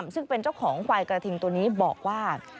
ซึ่งเป็นเจ้าของควายกระทิงตัวนี้บอกว่า